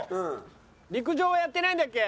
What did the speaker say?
陸上はやってないんだっけ？